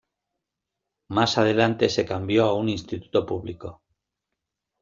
Más adelante, se cambió a un instituto público.